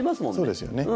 そうですよね。